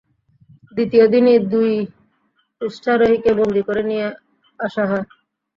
দ্বিতীয় দিনই দুই উষ্ট্রারোহীকে বন্দি করে নিয়ে আসা হয়।